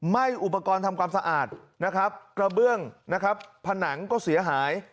ไหม้อุปกรณ์ทำความสะอาดนะครับกระเบื้องนะครับผนังก็เสียหาย